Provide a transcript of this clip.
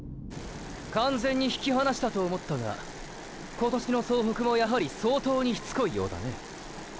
完全に引き離したと思ったが今年の総北もやはり相当にしつこいようだね！